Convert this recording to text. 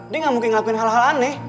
dia gak mungkin ngelakuin hal hal aneh